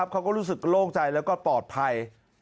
เขาก็รู้สึกโล่งใจแล้วก็ปลอดภัย